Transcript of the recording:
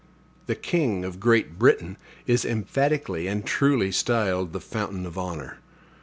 The king of Great Britain is emphatically and truly styled the fountain of honor.